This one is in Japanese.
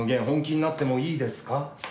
「本気になってもいいですか？」